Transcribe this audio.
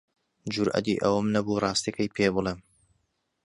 جورئەتی ئەوەم نەبوو ڕاستییەکەی پێ بڵێم.